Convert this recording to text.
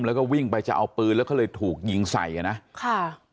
แล้วก็วิ่งไปจะเอาปืนแล้วก็เลยถูกยิงใส่อ่ะนะค่ะ